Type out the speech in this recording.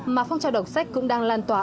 mà phòng trào đọc sách cũng đang lan tỏa